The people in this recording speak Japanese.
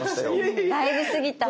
うんだいぶ過ぎた。